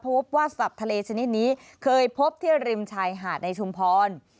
พบว่าสัตว์ทะเลชนิดนี้เคยพบที่ริมชายหาดในชุมพร